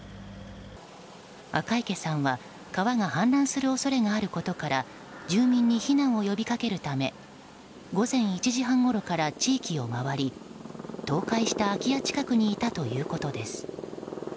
赤池さんは川が氾濫する恐れがあることから住民に避難を呼びかけるため午前１時半ごろから地域を回り、倒壊した空き家近くにいたということです。